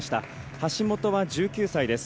橋本は１９歳です。